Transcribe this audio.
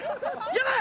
やばい！